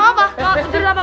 mau juri siapa